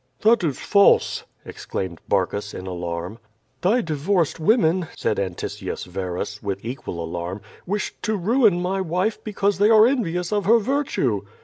"That is false!". exclaimed Barcus, in alarm. "Thy divorced women," said Antiscius Verus, with equal alarm, "wished to ruin my wife because they are envious of her virtue."